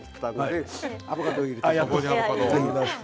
アボカドを入れます。